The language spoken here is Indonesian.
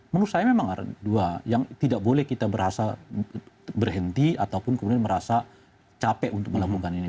menurut saya memang ada dua yang tidak boleh kita berhenti ataupun kemudian merasa capek untuk melakukan ini